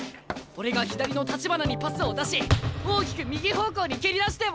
俺が左の橘にパスを出し大きく右方向に蹴り出してもらう。